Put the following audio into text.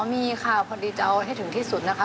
มีค่ะพอดีจะเอาให้ถึงที่สุดนะคะ